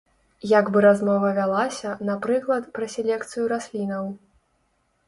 Як бы размова вялася, напрыклад, пра селекцыю раслінаў.